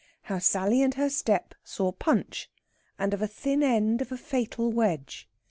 HOW SALLY AND HER STEP SAW PUNCH, AND OF A THIN END OF A FATAL WEDGE.